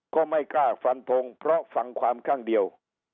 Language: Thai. ก็ไม่กล้าฟันทงเพราะฟังความข้างเดียว